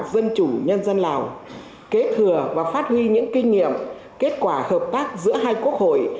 dân chủ nhân dân lào kế thừa và phát huy những kinh nghiệm kết quả hợp tác giữa hai quốc hội